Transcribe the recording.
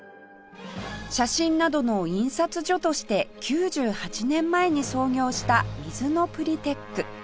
写真などの印刷所として９８年前に創業したミズノプリテック